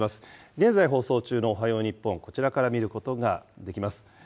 現在放送中のおはよう日本、こちらから見ることができます。